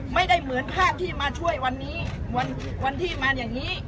ไม่ได้เหมือนภาพที่มาช่วยวันนี้วันที่มาอย่างนี้